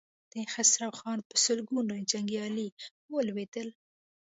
د خسرو خان په سلګونو جنګيالي ولوېدل.